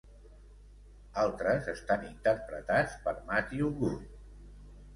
Altres estan interpretats per Matthew Good.